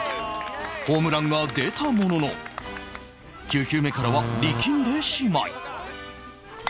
ホームランが出たものの９球目からは力んでしまい